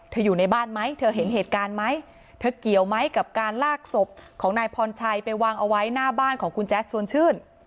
อยู่ในบ้านไหมเธอเห็นเหตุการณ์ไหมเธอเกี่ยวไหมกับการลากศพของนายพรชัยไปวางเอาไว้หน้าบ้านของคุณแจ๊สชวนชื่น